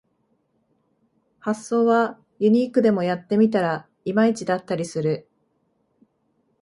発想はユニークでもやってみたらいまいちだったりする